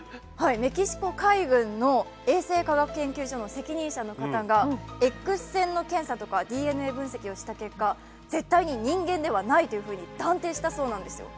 メキシコ海軍の衛生科科学研究所の職員の方がＸ線の検査とかＤＮＡ分析をした結果、絶対に人間ではないと分析したんですよ。